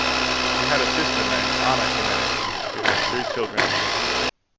She had a sister named Ana Jimenez who had three children.